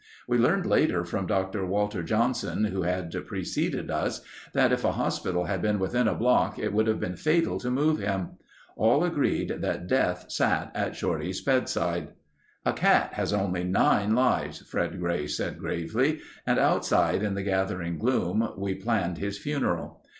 We learned later from Dr. Walter Johnson, who had preceded us, that if a hospital had been within a block it would have been fatal to move him. All agreed that Death sat on Shorty's bedside. "A cat has only nine lives," Fred Gray said gravely, and outside in the gathering gloom we planned his funeral.